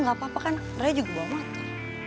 gak apa apa kan raya juga bawa mata